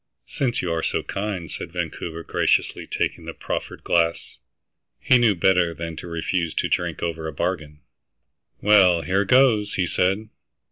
"Since you are so kind," said Vancouver, graciously taking the proffered glass. He knew better than to refuse to drink over a bargain. "Well, here goes," he said.